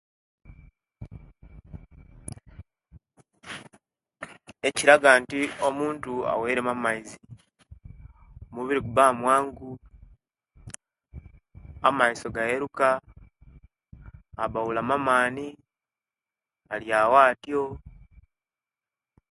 Ekilaga nti omuntu aweyiremu amaizi omubiri guba mwangu amaiso gayeluka aba abulamu amaani alyawo atyo.